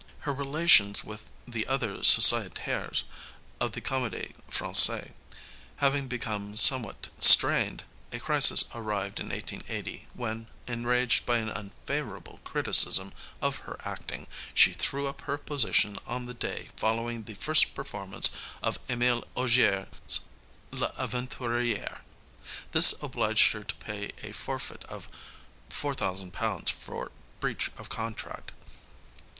Her relations with the other sociétaires of the Comédie Franįaise having become somewhat strained, a crisis arrived in 1880, when, enraged by an unfavourable criticism of her acting, she threw up her position on the day following the first performance of Emile Augier's L'Aventuričre. This obliged her to pay a forfeit of Ģ4000 for breach of contract.